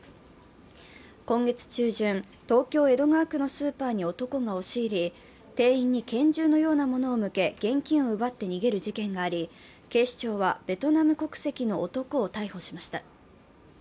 今月中旬、東京・江戸川区のスーパーに男が押し入り、店員に拳銃のようなものを向け現金を奪って逃げる事件があり、警視庁は、ベトナム国籍の男を逮捕しました。